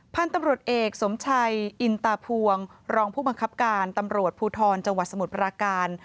พันธุ์ตำรวจเอกสมชัยอินตาพวงรองผู้บังคับการตำรวจภูทรจังหวัดสมุทรปราการ